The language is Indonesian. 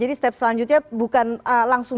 jadi step selanjutnya bukan langsung